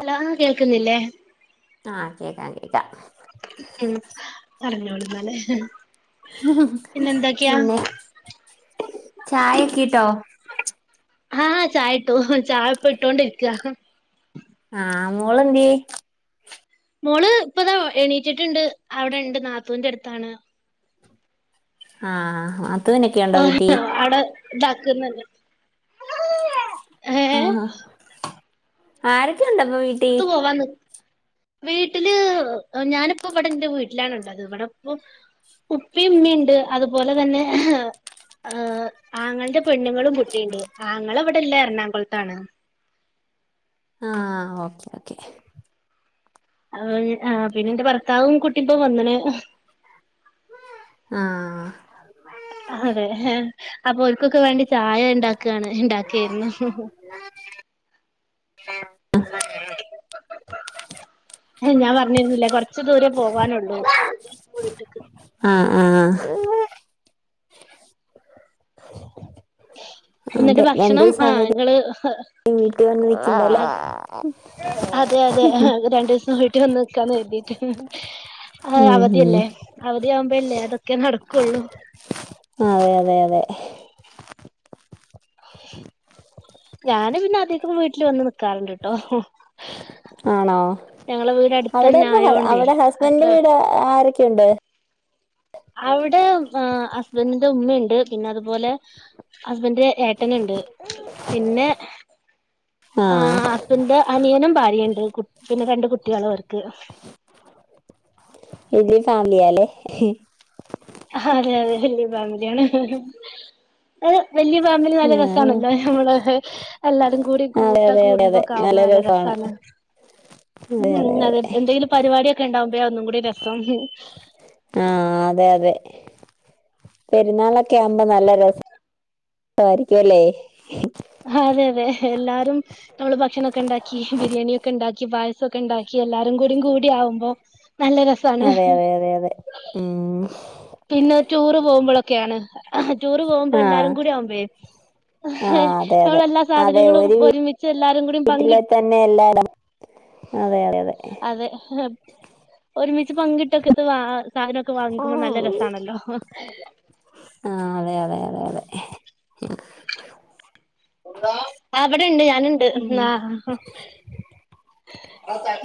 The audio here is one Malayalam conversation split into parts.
ഹലോ കേൾക്കുന്നില്ലേ ഇല്ല ഉം പറഞ്ഞോള എന്നാല് പിന്നെ ചായ കിട്ടോ ആഹ് ചായ ഇട്ടു ചായപ്പ ഇട്ടോണ്ടിരിക്കുക ആഹ് മോള്ന്തേ മോള് ഇപ്പതാ എണീറ്റിട്ടുണ്ട് അവിടെ ഉണ്ട് നാത്തൂന്റെ അടുത്താണ് ആഹ് നാത്തൂനോക്കെ ഉണ്ടോ വീട്ടി ഇതാക്കുന്നത് ആഹ് ഹാ ആരൊക്കെ ഉണ്ടപ്പൊ പുറത്ത് വീട്ടീല് പോവാൻ നി വീട്ടില് ഞാനിപ്പോ ഇവിടെ എന്റെ വീട്ടിലാണുള്ളത് ഇവിടെപ്പൊ ഉപ്പി ഉമ്മിണ്ട് അതുപോലെ തന്നെ ഏഹ് ആങ്ങളുടെ പെണ്ണുങ്ങളും കുട്ടിയുണ്ട് ആങ്ങള ഇവിടെല്ല എറണാകുളത്താണ് [inaudible] ആ ഓക്കേ ഓക്കേ അ ആ പിന്നെന്റെ ഭർത്താവും കുട്ടിപ്പോവന്നണ് ആ അതെ അപ്പോ മക്കൾക്കു വേണ്ടി ചായ ഉണ്ടാക്കയാണ് ഉണ്ടാക്കിരുന്നു മ്മ് ഏ ഞാൻ പറഞ്ഞിരുന്നില്ലേ കൊറച്ച ദൂരെ പോവാനുള്ളൂ ആഹ എന്നിട്ട് അതെ രണ്ടു ഭക്ഷണം ആഹ് ദിവസാണെ ഇങ്ങള് വീട്ടി വന്നു നിക്കണ്ടല്ലോ അതെ അതെഹെ രണ്ടു ദിവസം വീട്ടി വന്ന് നിക്കാന്ന് കരുതിട്ട് ആ ഉം ഉം അവധിയല്ലേ അവധിയ ആവുമ്പോല്ലേ അതൊക്കെ നടക്കുള്ളൂ അതെ അതെ അതെ ഞാന് പിന്നെ അധിക വീട്ടിൽ വന്ന് നിക്കാറുണ്ട്ട്ടോ ആണോ ഞങ്ങള വീട് അടുത്ത അവിടെ തന്നെ ഇപ്പൊ ആയോണ്ടേ അവിടെ അത്ര ഹസ്ബൻന്റെ വീട് ആരൊക്കെയുണ്ട് അവിടെ ഹസ്ബൻറിന്റെ ഉമ്മയുണ്ട് പിന്നെ അതുപോലെ ഹുസ്ബൻഡ് ന്റെ ഏട്ടനുണ്ട് പിന്നെ ആ ആഹ് ഹസ്ബൻഡിന്റെ അനിയനും ഭാര്യുണ്ട് കു പിന്നെ രണ്ട് കുട്ടികള അവർക്ക് വലിയ ഫാമിലിയല്ലേ അതെ അതെ വലിയ ഫാമിലിയാണ് [unintelligible] അത് വലിയ ഫാമിലി നല്ല ആഹ് രസാണല്ലോ നമ്മള് എല്ലാവരും കൂടി അതെ കൂട്ട അതെ അതെ അതെ കൂടുമ്പോക്കാവുമ്പോ നല്ല രസാണ് രസമാണ് അതെ അതെ ഉം അത അതെ എന്തെങ്കിലും പരിപാടിക്കെ ഉണ്ടാവുമ്പ ഒന്നും കൂടി രസം ആ അതെ അതെ പെരുന്നാളൊക്കെ ആകുമ്പോ നല്ല രസംസമായിരിക്കുംല്ലേ ഹ അതെ അതെ എല്ലാരും നമ്മള് ഭക്ഷണൊക്കെ ഉണ്ടാക്കി ബിരിയാണിയ ഒക്കെ ഉണ്ടാക്കി പായസമൊക്കെ ഉണ്ടാക്കി എല്ലാരും കൂടി ആവുമ്പോ നല്ല രസാണ് അതെ അതെ അതെ ഉ പിന്നെ ടൂർ പോകുമ്പോഴൊക്കെയാണ് ടൂർ പോകുമ്പോൾ ആഹ് എല്ലാരും കൂടി ആവുന്ബെ ആഹ് [unintelligible] അതെ നഞൾ അതെ എല്ലാ അതെ സാധനങ്ങളും ഒരു ഒരുമിച്ച് എല്ലാരും കൂടി പങ്കിട്ട [inaudible] അതെയ അതെ അതെ അതെഹ് ഒരുമിച്ച് പങ്കിട്ടൊക്കെ ഇത് വ സാധനമൊക്കെ വാങ്ങിക്കുമ്പോ ആഹ് നല്ല രസാണല്ലോ അതെ [unintelligible] [unintelligible] ആ അവിടെ ഉണ്ട് ഞാനുണ്ട് ആ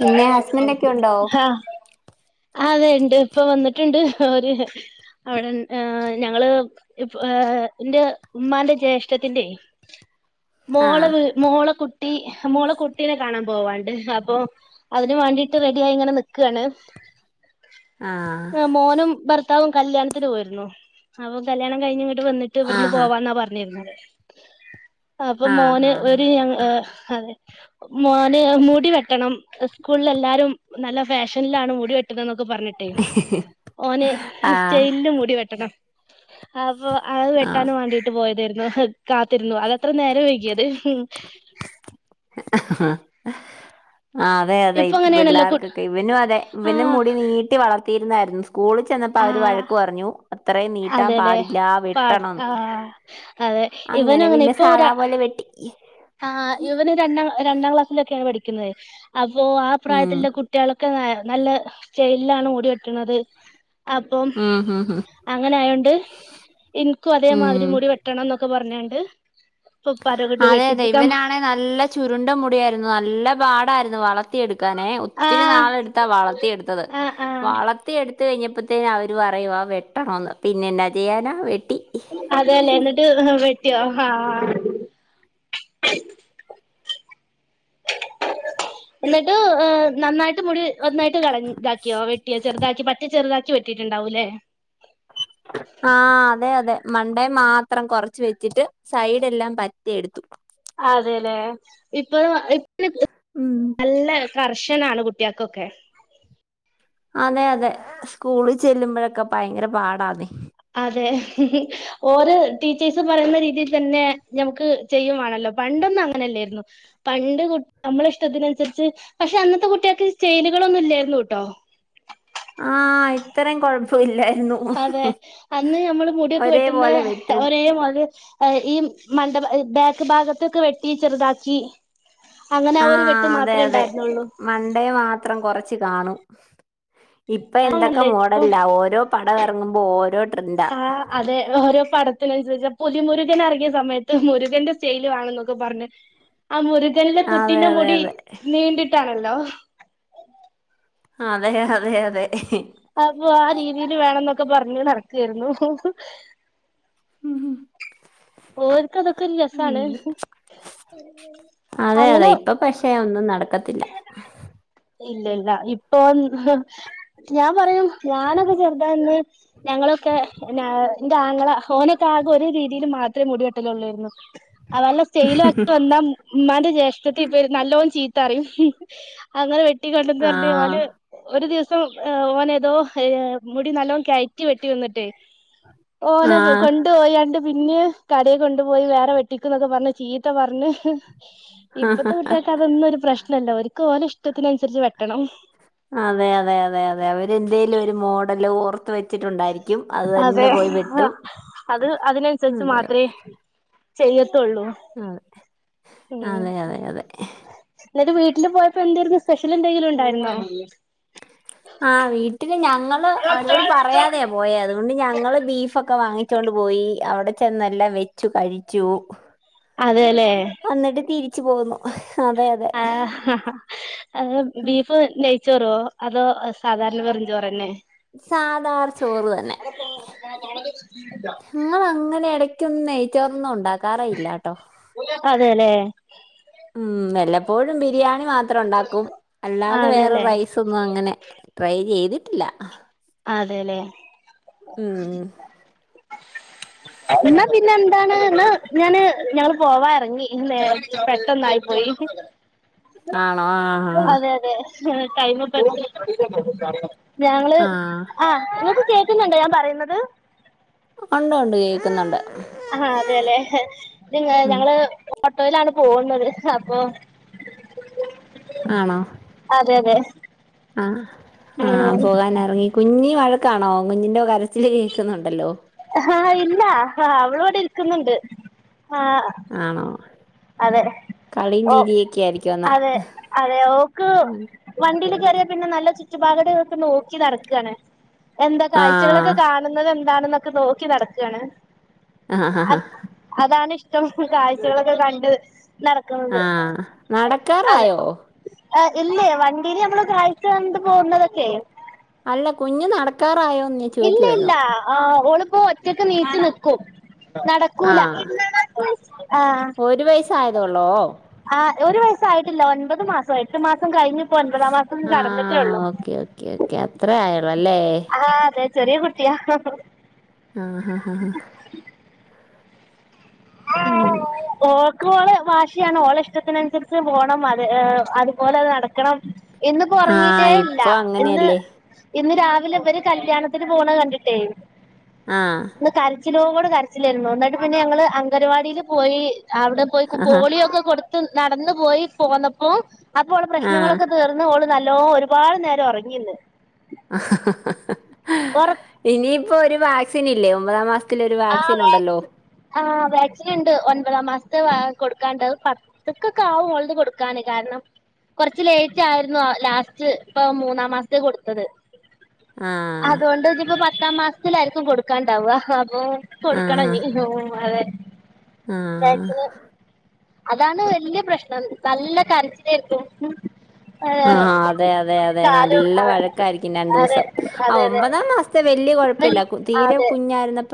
പിന്നെ ഹസ്ബൻഡ് ഒക്കെ ഉണ്ടോ ഹ അതെയ ഉണ്ട് ഇപ്പൊ വന്നിട്ടുണ്ട് ഒര് അവിടെ ഞങ്ങള് ഇ ഇന്റെ ഉമ്മാന്റെ ജ്യേഷ്ഠത്തിന്റെ ആഹ് മോളവി മോളക്കുട്ടി മോളക്കുട്ടീനെ കാണാൻ പോവാണ്ട് ഹ് അപ്പൊ അതിന് വേണ്ടിട്ട് റെഡി ആയി ഇങ്ങനെ നിക്കാണ് ആഹ് അ മോനും ഭർത്താവും കല്യാണത്തിന് പോയിരുന്നു അപ്പൊ കല്യാണം കഴിഞ്ഞി ന്ന് വന്നിട്ട് ഇവിടുന്ന് ആഹ് പോവാന്നാ പറഞ്ഞിരുന്നത് അപ്പൊ ആഹ് മോന് ഒരു ആഹ് ഞഹെ അതെ മോന് മു മുടി വെട്ടണം സ്കൂളിൽ എല്ലാരും നല്ല ഫാഷനിലാണ് മുടി വെട്ടുന്നത് ന്നക്കെ ക്കെ പറഞ്ഞിട്ടേ ഓൻ ആഹ് സ്റ്റൈലിൽ മുടി വെട്ടണം അപ്പോ അത് വെട്ടാനും ആഹ് വണ്ടിട്ട് പോയതായിരുന്നു [unintelligible] കാത്തിരുന്നു അതെത്ര നേരം വൈകിയത്? ആ [unintelligible] അ അതെ അതെ ഇപ്പൊ ഇപ്പ അങ്ങനെയാണല്ലോ കു പിള്ളേർക്കൊക്കെ ഇവനും അതെ ഇവനും ആഹ് മുടി നീട്ടി വളർത്തിയിരുന്നായിരുന്നു. സ്കൂളിൽ ചെന്നപ്പോ അവര് ആഹ് വഴക്ക് പറഞ്ഞു അത്രയും നീട്ടാൻ അതെല്ലേ പാടില്ല പാ വെട്ടണംന്ന് ആഹ് അതെ ഇവനും അങ്ങനെ പിന്നെ ഇപ്പൊ സാദാ ഒരാ പോലെ വെട്ടി ആ ഇവന് രണ്ടാം രണ്ടാം ക്ലാസ്സിലൊക്കെയാണ് പഠിക്കുന്നത്, അപ്പോ ആ ഉം പ്രായത്തിലുള്ള കുട്ടികളൊക്കെ ന നല്ല സ്റ്റായിലിലാണ് മുടി വെട്ടണുന്നത് അപ്പം ഉം ഉം ഉം അങ്ങനെ ആയോണ്ട് നിക്കും അതേമാതിരി ഉം മുടി വെട്ടണം എന്നൊക്കെ പറഞ്. [unintelligible] ഇപ്പ ഇപ്പനകൊണ്ട് വേ അതെ ഇവനാണെ നല്ല ചുരുണ്ട മുടിയായിരുന്നു നല്ല പാടായിരുന്നു വളർത്തിയെടു ക്കാനെ ആ ഒത്തിരി നാള എടുത്താ വളർത്തിയ എടുത്തത് ആ ആ വളർത്തിയ എടുത്ത് എടുത്ത് കഴിഞ്ഞപ്പോഴത്തേ അവര് പറയുവാ വെട്ടണോന്ന് പിന്നെ എന്നാ ചെയ്യാനാ വെ അതെല്ലെ എന്നിട്ട് ട്ടിയോ ഹ [unintelligible] എന്നിട്ട് നന്നായിട്ട് മുടി- ഒന്നായിട്ട് കളഞ്ഞിതാക്കിയോ വെട്ടിയോ ചെറുതാക്കി പറ്റി ചെറുതാക്കി വെട്ടിയിട്ടുണ്ടാവൂല്ലേ? ആഹ് അതെ അതെ. മണ്ടെ മാത്രം കൊറച്ച് വെച്ചിട്ട്, സൈഡെല്ലാം പറ്റി എടുത്തു. അതെല്ലേ ഇപ്പൊ ഇപ്പ ഉം നല്ല കർശനാണ് കുട്ടികക്കൊക്കെ അതെ അതെ സ്കൂളിൽ ചെല്ലുമ്പോഴൊക്കെ ഭയങ്കര പാടാന്നെ- അതെ ഓരോ ടീച്ചേഴ്സും പറയുന്ന രീതിൽ തന്നെ ഞമുക്ക് ചെയ്യുവാണല്ലോ പണ്ടൊന്നും അങ്ങനെയല്ലാരുന്നു പണ്ട് നമ്മള് ഇഷ്ടത്തിനുസരി പക്ഷെ അന്നത്തെ കുട്ടികൾക്ക് സ്റ്റെ - കുട്ടികളൊ [unintelligible] ന്നും ഇല്ലായിരുന്നു ട്ടോ ആഹ് ഇത്രയും കൊഴപ്പയില്ലാ - അതെ അന്ന് ഞമ്മള് മുടിയൊക്കെ വെട്ടുന്ന ഒരേപോലെ വെട്ടും ഒരേ മണ്ഡപ ബാക്ക് ഭാഗത്തൊക്കെ വെട്ടി ചെറുതാക്കി അങ്ങനെ ആ ഒരു ആഹ് വെട്ട് അതെ മാത്രേ അതെ ണ്ടാരുന്നോള്ളു. മൺഡേ മാത്രം കൊറച്ച് കാണും ഇപ്പൊ എന്തൊക്കെ [unintelligible] ഇപ്പോം മോഡലിലാ ഓരോ പടം എറങ്ങുമ്പോ ഓരോ ട്രെൻഡാ ആ അതെ ഓരോ പട ത്തിനനുസരിച്ച പുലി മുരുകൻ എറങ്ങിയ സമയത്ത് മുരുകൻന്റെ സ്റ്റാല് വേണെന്നൊക്കെ പറഞ്ഞ് ആ മുരുകനന്റെ അതെ കുട്ടീന്റെ അതെ മുടി അതെ നീണ്ടിട്ടാണല്ലോ? അതെ അതെ അതെ അപ്പോ ആ രീതില് വേണം ന്നൊക്കെ പറഞ്ഞു നടക്കാരുന്നു. [unintelligible] ഓര്ക്ക് അതൊക്കെ ഒരുരസാണ്. അതെ അതെ ഇപ്പോ പഷേ ഒന്നും നടക്കത്തില്ല. ഇല്ല ഇല്ല ഇപ്പോ ഞാൻ പറയും ഞാനൊക്കെ ചെറുതാന്ന് ഞങ്ങള ക്കെ ഇന്റെ ആങ്ങള ഓനൊക്കെ ആകെ ഒരേ രീതില് മാത്രമേ മുടിവെട്ടലൊള്ളരുന്നു. അവല്ല സ്റ്റെയിലുംക്കെ വന്ന ഉമ്മാന്റെ ജേഷ്ഠത്തി [unintelligible] ത്തറയും അങ്ങനെ വെട്ടി [unintelligible] ആഹ് ഓന് ഒരു ദി സോം ഓനെതോ മുടി നല്ലോ കയറ്റി വെട്ടി വന്നിട്ടേ ഓനെ ആഹ് കൊണ്ടു പോയാണ്ട് പിന്നെ കടയെ കൊണ്ടുപോയി വേറെ വെട്ടിക്കുന്നൊക്കെ പറഞ്ഞ് ചീത്ത പറഞ്ഞ് ഹ് ഇപ്പത്തെ കുട്ടികക്ക് അതോന്നും ഒരു ല്ല ഒരുക്ക് ഒരെ ഇഷ്ടത്തിനുസരിച്ച് വെട്ടണം അതെ അതെ അതെ അതെ അവര്ന്തേലും ഒരു മോഡല് ഓർ ത്ത് വെച്ചിട്ടോണ്ടാരിക്കും അത് അതെ തന്നെ പോയി വെട്ടും. അത് അതിനനുസരിച്ച് അതെ അതെ മാത്രേ ത്തൊള്ളൂ അതെ ഉം അതെ അതെ അതെ എന്നിട്ട് വീട്ടില് പോയപ്പോ എന്താരുന്നു സ്പെഷ്യൽ എന്തെങ്കിലും ഉണ്ടായിരുന്നോ? ആഹ് വീട്ടി ഞങ്ങള് അവരോട് പറയാതെയാ പോയ അതുകൊണ്ട് ഞങ്ങള് ബീഫ് ഒക്കെ വാങ്ങി വച്ചോണ്ട് പോയി അവിടെ ചെന്നെല്ലാം വെച്ചു കഴിച്ചു അതെല്ലേ എന്നിട്ട് തിരിച്ചു പോന്നു അതെ അതെ ഉം. ബീഫ് നെ ചോറോ അതോ സാധാരണ വെറും ചോറ് തന്നെ സാതാ ചോറ് തന്നെ ഞങ്ങൾ അങ്ങനെ എട ടകെന്നും നെയ്ച്ചോറൊന്നും ഉണ്ടാക്കാറയില്ലാട്ടോ അതെല്ലേ ഉം വല്ലപ്പോഴും ബിരിയാണി മാത്രം ഉണ്ടാക്കും അല്ലാതെ വേറെ അതെല്ലേ റൈസ ഒന്നും അങ്ങനെ ട്രൈ ചെയ്തിട്ടില്ല അതെല്ലെ ഉം ഇന്നാ പിന്നെ എന്താണ് എന്നാ ഞാന് ഞങ്ങള് പോവാ ഇറങ്ങി പെട്ടന്നായി പോയി ആണോ ആഹ് അതെ അതെ മ് ടൈമ് ഇപ്പേ എത്ര ഞങ്ങള് ആഹ് ആഹ് ഇങ്ങക്ക് കേക്കുന്നുണ്ടോ ഞാൻ പറയുന്നത് ഉണ്ട് ഉണ്ട് കേക്കുന്നുണ്ട് ആഹ് അതെല്ലേ നിങ്ങ ഉം ഞങ്ങള് ഓട്ടോയിലാണ് പോവുന്നത് അപ്പൊ ആണോ അതെ അതെ ആ ആഹ് ഉം പോകൻ ഇറങ്ങി കുഞ്ഞി വഴ ണോ കുഞ്ഞിന്റെ കരച്ചിൽ കേൾക്കുന്നുണ്ടല്ലോ ആ അവള് ഇവിടെ ഇരിക്കുന്നുണ്ട് ആഹ് ആണോ അതെ കളിയും ഓഹ് ചിരിയൊക്കെ ആയിരിക്കും എന്നാ അതെ അതെ ഓക്ക് ഉം വണ്ടിൽ കേറിയ പിന്നെ നല്ല ചുറ്റുപാകടൊക്കെ നോക്കി നടക്കാണ് എന്താ കാഴ്ചകളൊക്കെ ആഹ് കാണുന്നത് എന്താണെന്ന് നോക്കി നടക്കാണ് ആഹ് അതാണ് കാഴ്ചകളൊക്കെ കണ്ട് നടക്കുന്നത് ആഹ് അതെ നടക്കാറായോ ആഹ് ഇല്ലേ വണ്ടിൽ നമ്മൾ കാഴ്ച കണ്ട് പോകുന്നതൊക്കെ അല്ല കുഞ്ഞ് നടക്കാറായോ ഇല്ല ഇല്ല ആഹ് ഓള് ഇപ്പൊ ഒറ്റക്ക് നീച്ച് നിക്കും നടക്കൂല ആഹ് ആഹ് ള്ളോ ആഹ് ഒരു വയസ്സ് ആയിട്ടില്ല ഒൻപത് മാസം എട്ട് മാസം കഴിഞ്ഞു ഒൻപതാം മാസം ആഹ് കടന്നിട്ടേള്ളൂ ഓക്കെ ഓക്കെ ഓക്കെ അത്രേ ആയുള്ളൂ അല്ലേ ആഹ് അതെ ചെറിയ കുട്ടിയാ ആഹ് ആഹ് ആഹ് ഉം ഓള് ഭാഷയാണ് ഓളെ ഇഷ്ടത്തിനനുസരിച്ച് പോകണം അത്അതുപോലെ അത് നടക്കണം ഇന്ന് ഉറങ്ങിട്ടേ ആഹ് ഇല്ല ഇപ്പൊ ഇന്ന് അങ്ങനെയല്ലേ ഇന്ന് രാവി ഇവര് കല്യാണത്തിന് പോണ കണ്ടിട്ടേ ആഹ് ച്ചിലോട് കരച്ചിലോട് കരച്ചില്ലായിരുന്നു എന്നിട്ട് പിന്നെ ഞങ്ങൾ അംഗരവാടിയിൽ പോയി അവിടെ പോയി പോളിയോ ഒക്കെ കൊടു നടന്നു പോയി പോന്നപ്പോ അപ്പോ ഓള ആഹ് പ്രശ്നങ്ങളൊക്കെ തീർന്ന് ഓള് നല്ലോ ഒരുപാട് നേരം ഉറങ്ങിന്ന് ഉറ ഇനിയിപ്പോ ഒരു വാക്സിൻ ഇല്ലേ ഒമ്പതാം മാസ ആഹ് ആഹ് വാക്സ് വാക്സിനിണ്ട് ഒൻപതാം മാസം പത്ത് കൊടുക്കാണ്ടത് പത്തക്കൊക്കെ ആവും അവളത് കൊടുക്കാന് കാരണം കൊറച്ച് ലേറ്റ് ആയിരുന്നു ലാസ്റ്റ് ഇപ്പൊ മൂന്നാം മാസത്തെ കൊടുത്തത് ആഹ് അതുകൊണ്ട് ഇനിപ്പ പത്താം മാസത്തിലായിരിക്കും കൊടുക്കാണ്ടാവുക ഹ- ഓ ഓക്ക് ആഹ് കൊടുക്കണംഞി [unintelligible] ആഹ് - അതാണ് വല്യ പ്രശ്നം നല്ല കരച്ചിലായിര്ക്കും- ആഹ് അതെ അതെ അതെ കാലും നല്ല ആഹ് വഴക്കായിരിക്കും അതെ രണ്ടൂസം അതെ ആഹ് അതെ ഒമ്പതാം മാസ്ത്ത ത്തെ വലൃ വൽ കൊഴപ്പയില്ലാക്കും തീരെ അതെ കുഞ്ഞായിരുന്നപ്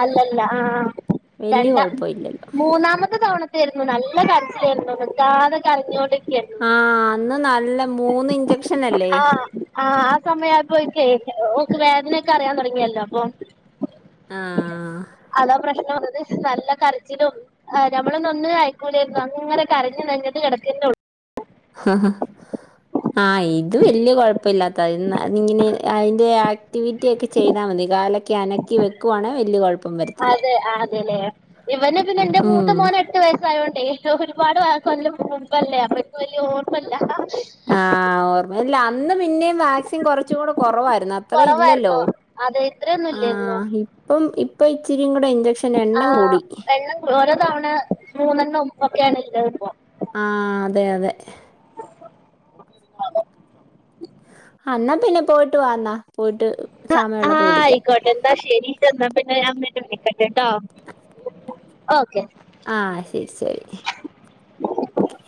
അല്ലല്ല ആഹ്- വല്യ രണ്ടാ കുഴപ്പമില്ലല്ലോ മൂന്നാമത്തെ തവണത്തെയാരുന്നു നല്ല കരച്ച് ലായിരുന്നു നിക്കാതെ കരഞ്ഞോണ്ടി ആഹ് അന്ന് നല്ല മൂന്ന് ഇഞ്ചക്ഷ്നല്ലേ? ഈ സമയായപ്പോയിക്കേ ഓക്ക് വേദനയൊക്കെ അറിയാൻ തുടങ്ങിയല്ലോ അപ്പൊ ആഹ് അതാ പ്രശ്നം വന്നത് നല്ല കരച്ചിലും നമ്മളെ ഒന്നിനും അയക്കൂലായിരുന്നു അന്ന്ങ്ങനെ കരഞ്ഞു നഞ്ഞത്ത് കിടക്കത്തെ ഉള്ളൂ ഹ ഹ ആഹ് ഇത് വല്യ കൊഴപ്പില്ലാത്ത ഇന്ന് അതി ഇങ്ങനെ അതിന്റെ ആക്ടിവിറ്റി ഒക്കെ ചെയ്താൽ മതി കാലൊക്കെ അനക്കി വെക്കുവാണെ വലിയ കുഴപ്പം വരത്തില്ല ആ അതെ ഇവനെ പിന്നെ എന്റെ മൂത്ത ഉം മോൻെ എട്ട് വയസ്സായതോണ്ട് ഒരുപാട് [unintelligible] മുമ്പല്ലേ അപ്പം ഇൻക്ക വലിയ ഓർമ്മല്ല ഹഹ ആഹ് ഓർമ്മയില്ല. അന്ന് പിന്നേും വാക്സിൻ കുറച്ച് കൂടെ കുറവായിരുന്നു അത്രം ഇല്ലല്ലോ കൊറവായിരുന്നു അത് ഇത്രയൊന്നും ഇല്ലായിരുന്നു ആഹ് ഇപ്പം ഇപ്പൊ ഇച്ചിരി കൂടെ ഇഞ്ചക്ഷന്റെ ആ എണ്ണം കൂടി. എണ്ണം ഓരോ തവണ മൂന്നെണ്ണം ഒക്കെയാണ് ഉള്ളത് ഇപ്പോ ആ അതെ അതെ ആ അാ പിന്നെ പോയിട്ട് വാന്നാ പോയിട്ട് സമയമള്ളപ്പോ വിളിക്കാം വിളിക്കണ്ട്ട്ടോ ഓക്കെ ആഹ് ശരി ശരി ഒക്കെ